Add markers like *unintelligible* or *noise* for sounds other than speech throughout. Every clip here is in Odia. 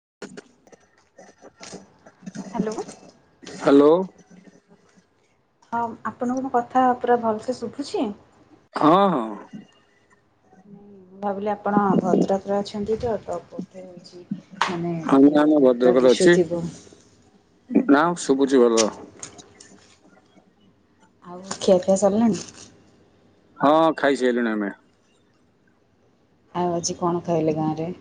*unintelligible* Hello hello. ହଁ ଆପଣଙ୍କୁ ମୋ କଥା ପୁରା ଭଲସେ ଶୁଭୁଛି? ହଁ ହଁ। ମୁଁ ଭାବିଲି ଆପଣ ଭଦ୍ରକରେ ଅଛନ୍ତି ତ ପଠେ ହେଉଛି ଆଜ୍ଞା ଭଦ୍ରକରେ ଅଛି ନା ଶୁଭୁଛି ଭଲ। *inaudible* ଆଉ ଖିଆପିଆ ସାରିଲାଣି? ହଁ ଖାଇସାଇଲୁଣି ଆମେ। ଆଉ ଆଜି କଣ ଖାଇଲେ ଗାଁ ରେ?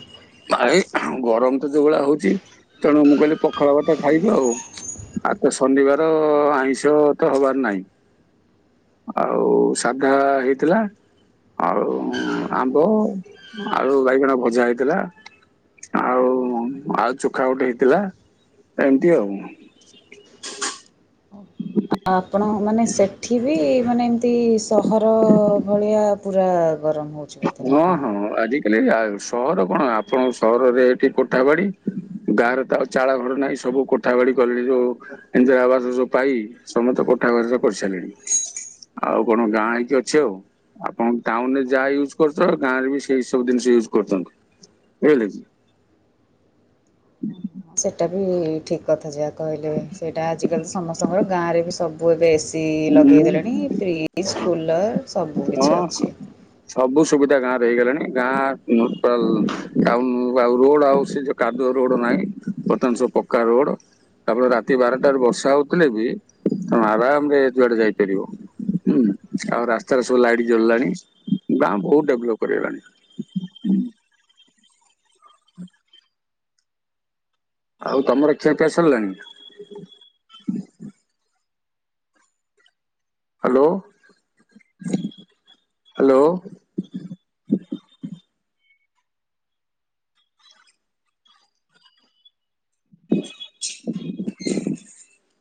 *inaudible* ଭାଇ ଗରମ ତ ଯୋଉ ଭଳିଆ ହଉଛି ତେଣୁ ମୁଁ କହିଲି ପଖାଳ ଭାତ ଖାଇବି ଆଉ। ଆଉ ତ ଶନିବାର ଆଇଁଷ ତ ହବାର ନାହିଁ। ଆଉ ସାଧା ହୋଇଥିଲା। ଆଉ ଆମ୍ବ, ଆଳୁ, ବାଇଗଣ ଭଜା ହେଇଥିଲା। ଆଉ ଆଉ ଚୋଖା ଗୋଟେ ହେଇଥିଲା ଏମିତି ଆଉ। *inaudible* ଆ ଆପଣ ମାନେ ସେଠି ବି ମାନେ ଏମିତି ସହର ଭଳିଆ ପୁରା ଗରମ ହେଉଛି ବୋଧେ ନା କଣ? ହେଲେ ସହର କଣ ଆପଣଙ୍କ ସହରରେ ଏଠି କୋଠା ବାଡି ଗାଁ ରେ ତ ଆଉ ଚାଳ ଘର ନାହିଁ ସବୁ କୋଠା ଗଡି କଲେଣି ଯୋଉ ଇନ୍ଦିରା ଆବାସ ଯୋଉ ପାଇ ସମସ୍ତେ କୋଠା ଗଡିରେ କରିସାରିଲେଣି। ଆଉ କଣ ଗାଁ ହେଇକି ଅଛି ଆଉ ଆପଣ ଟାଉନ ରେ ଯାହା ହେଉ ଆ ଗାଁରେ ବି ସେଇ ସବୁ ଜିନିଷ ୟୁଜ କରୁଛନ୍ତି ବୁଝିଲେ କି? ହୁଁ। ସେଇଟା ବି ଠିକ କଥା ଯାହା କହିଲେ ସେଇଟା ଆଜିକାଲି ତ ସମସ୍ତଙ୍କର ଗାଁରେ ବି ସବୁ ବେଶ ଲଗେଇ ଦେଲେଣି ଫ୍ରିଜ, କୁଲର୍ ସବୁ ହଁ କିଛି ହଁ ଅଛି। ସବୁ ସୁବିଧା ଗାଁ ରେ ହେଇଗଲାଣି ଗାଁ ଆ ରୋଡ ଆଉ ସେ ଯୋଉ କାଦୁଅ ରୋଡ ନାହିଁ ବର୍ତ୍ତମାନ ସବୁ ପକ୍କା ରୋଡ୍। ତାପରେ ରାତି ବାରଟାରେ ବର୍ଷା ହୋଉଥିଲେ ବି ତମେ ଆରାମରେ ଯୁଆଡେ ଯାଇପାରିବ। ହୁଁ ଆଉ ରାସ୍ତାରେ ସବୁ ଲାଇଟି ଜଳିଲାଣି ଗାଁ ବୋହୁତ ଡେଭଲପ୍ କରି ଗଲାଣି। ହଁ ଆଉ ତମର ଖିଆ ପିଆ ସାରିଲାଣି? Hello hello. ଆ *inaudible* *inaudible*